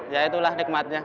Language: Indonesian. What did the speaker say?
ya itulah nikmatnya